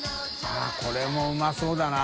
◆舛これもうまそうだな。